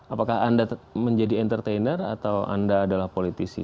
apakah anda menjadi entertainer atau anda adalah politisi